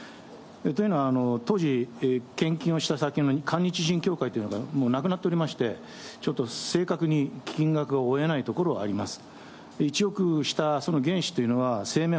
というのは、当時、献金をした先の韓日しんきょう会というのがなくなっておりまして、ちょっと正確に金額を追えないところはあります。